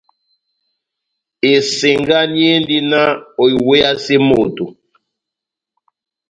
Esengani endi náh oiweyase moto.